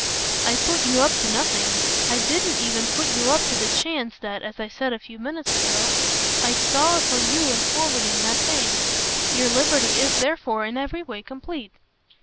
"I put you up to nothing. I didn't even put you up to the chance that, as I said a few moments ago, I saw for you in forwarding that thing. Your liberty is therefore in every way complete."